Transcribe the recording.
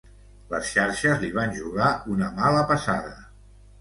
Les xarxes li van jugar una mala passada.